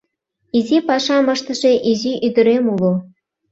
Изи пашам ыштыше изи ӱдырем уло